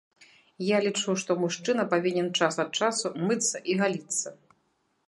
Я лічу, што мужчына павінен час ад часу мыцца і галіцца.